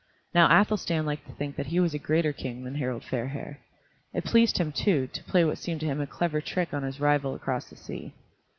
Now Athelstan liked to think that he was a greater king than Harald Fairhair. It pleased him, too, to play what seemed to him a clever trick on his rival across the sea.